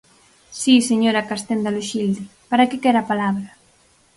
Si, señora Castenda Loxilde, ¿para que quere a palabra?